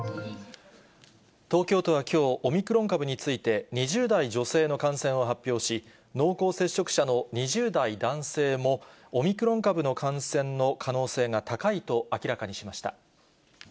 東京都はきょう、オミクロン株について、２０代女性の感染を発表し、濃厚接触者の２０代男性も、オミクロン株の感染の可能性が高いと明らかにしました。